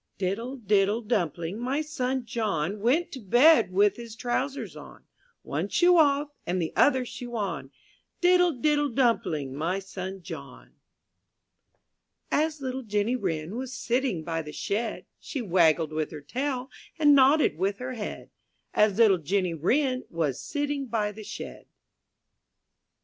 tjJE.« I "TWIDDLE, diddle, dumpling, my son John ^^ Went to bed with his trousers on, lC>One shoe off and the other shoe on, %^ Diddle, diddle, dumpling, my son John. as MY BOOK HOUS E A S little Jenny Wren ^^ Was sitting by the shed. She waggled with her tail And nodded with her head, As little Jenny Wren Was sitting by the shed.